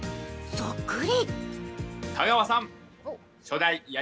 そっくり。